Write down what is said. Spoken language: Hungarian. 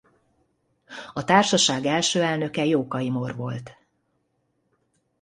A társaság első elnöke Jókai Mór volt.